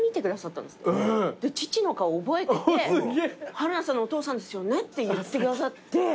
春菜さんのお父さんですよねって言ってくださって。